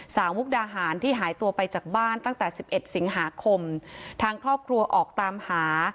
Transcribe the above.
มุกดาหารที่หายตัวไปจากบ้านตั้งแต่สิบเอ็ดสิงหาคมทางครอบครัวออกตามหา